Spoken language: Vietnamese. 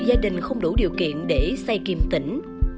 thì đủ gia đình không đủ điều kiện để say kiềm tỉnh